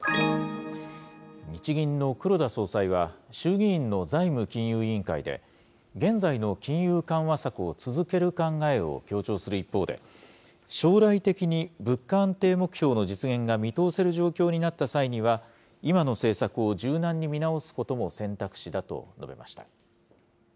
日銀の黒田総裁は、衆議院の財務金融委員会で、現在の金融緩和策を続ける考えを強調する一方で、将来的に物価安定目標の実現が見通せる状況になった際には、今の政策を柔軟に見直すことも選択肢だと述べました。